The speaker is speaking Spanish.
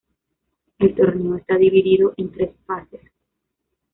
El torneo está dividido en tres fases.